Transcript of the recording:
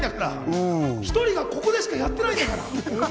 １人が、ここでしかやっていないから。